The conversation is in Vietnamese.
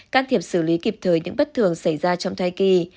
can thiệp xử lý kịp thời những bất thường xảy ra trong thai kỳ